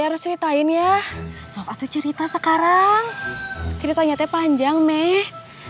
harus ceritain ya zaka cerita sekarang cerita nyatanya panjang meh